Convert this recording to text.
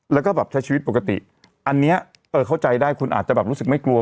แล้วก็แบบใช้ชีวิตปกติอันเนี้ยเออเข้าใจได้คุณอาจจะแบบรู้สึกไม่กลัว